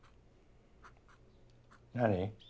何？